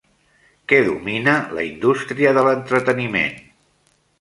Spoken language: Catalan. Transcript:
Què domina la indústria de l'entreteniment?